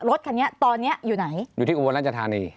รถคันนี้ตอนเนี้ยอยู่ไหนอยู่ที่อุบลราชธานี